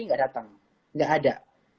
nggak datang nggak ada